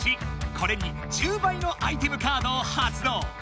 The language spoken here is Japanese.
これに「１０倍」のアイテムカードを発動！